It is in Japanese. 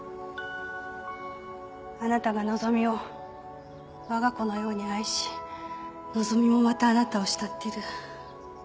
あなたが希美をわが子のように愛し希美もまたあなたを慕ってる